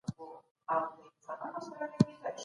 ډیپلوماسي یوازي د لویو هېوادونو حق نه دی.